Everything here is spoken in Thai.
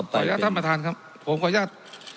ขออนุญาตท่านประธานครับ